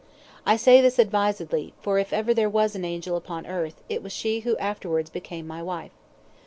I say this advisedly, for if ever there was an angel upon earth, it was she who afterwards became my wife.